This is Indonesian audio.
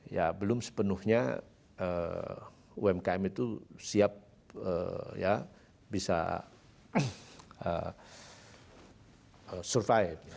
ya belum sepenuhnya umkm itu siap ya bisa survive